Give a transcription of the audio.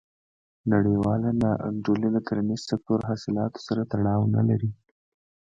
نړیواله نا انډولي د کرنیز سکتور حاصلاتو سره تړاو نه لري.